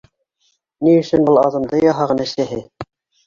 Ни өсөн был аҙымды яһаған әсәһе?